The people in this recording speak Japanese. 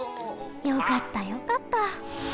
よかったよかった！